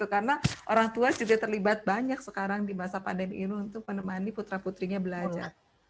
karena orang tua juga terlibat banyak sekarang di masa pandemi ini untuk menemani putra putrinya belajar